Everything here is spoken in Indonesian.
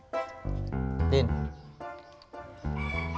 oke tunggu ya